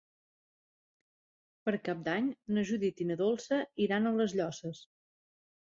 Per Cap d'Any na Judit i na Dolça iran a les Llosses.